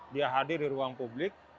dia hadir di ruang publik